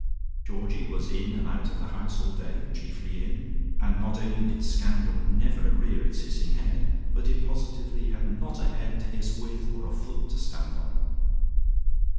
Georgie was in and out of the house all day, chiefly in; and not only did scandal never rear its hissing head, but it positively had not a head to hiss with, or a foot to stand on.